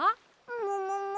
ももも？